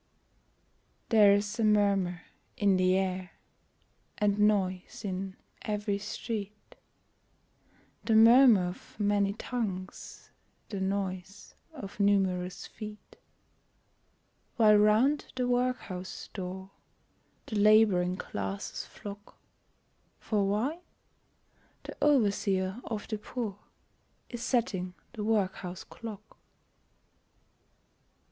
There's a murmur in the air, And noise in every street The murmur of many tongues, The noise of numerous feet While round the Workhouse door The Laboring Classes flock, For why? the Overseer of the Poor Is setting the Workhouse Clock.